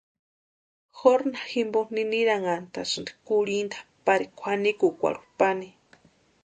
Jorna jimpo niniranhantasïni kurhinta pari kwʼanikukwarhu pani.